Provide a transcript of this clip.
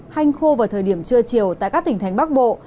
hanh khô vào thời điểm trưa chiều tại các tỉnh thánh bắc bộ